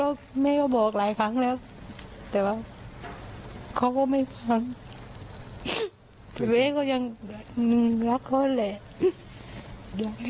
อื้อต้องกระทับว่าที่ป็อกกก่อนไปไหนนะ